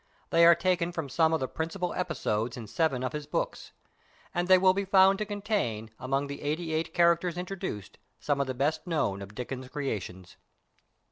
Th6y are taken from some of the principal episodes in seveii of his Bobks, and they will be found to contain, among the eighty eight Characters introduced, some of the best known of Dickens' creations.